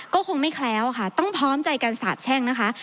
ก็คงไม่แคล้วค่ะต้องพร้อมใจกันสาบแช่งนะคะ